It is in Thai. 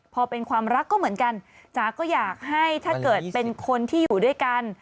พอเป็นความรักก็เหมือนกันจ๋าก็อยากให้ถ้าเกิดเป็นคนที่อยู่ด้วยกัน